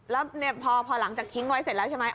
แล้วพอหลังจากทิ้งไว้เสร็จแล้วใช่ไหม